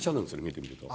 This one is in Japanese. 見てみると。